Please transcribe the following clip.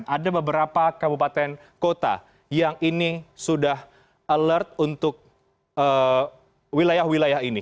ada beberapa kabupaten kota yang ini sudah alert untuk wilayah wilayah ini